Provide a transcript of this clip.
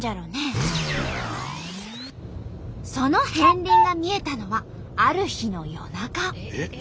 その片りんが見えたのはある日の夜中。